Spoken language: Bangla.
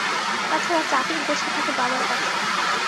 তা ছাড়া চাবির গোছা থাকে বাবার কাছে।